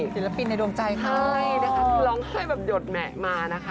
ศิลปินในดวงใจให้นะคะร้องไห้แบบหยดแหมะมานะคะ